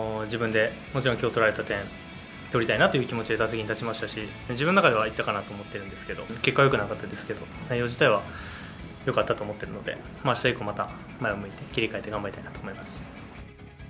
自分で、もちろんきょう取られた点、取りたいなという気持ちで打席に立ちましたし、自分の中では、いったかなと思ってるんですけど、結果はよくなかったですけど、内容自体はよかったと思っているので、あす以降、また前を向いて頑張りたいなと思います。